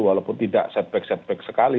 walaupun tidak setback setback sekali